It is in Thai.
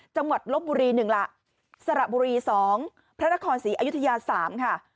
จังหวัดลบบุรีหนึ่งละสระบุรีสองพระนครศรีอยุธยาสามค่ะ